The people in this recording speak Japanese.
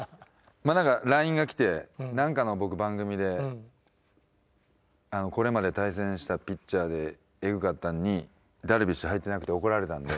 まあなんかＬＩＮＥが来てなんかの僕番組でこれまで対戦したピッチャーでエグかったのにダルビッシュ入ってなくて怒られたんで。